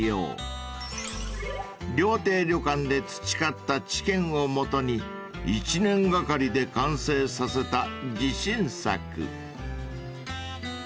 ［料亭旅館で培った知見をもとに１年がかりで完成させた自信作］